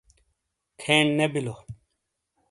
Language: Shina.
کھین نے بِیلو۔